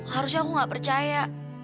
harusnya aku gak percaya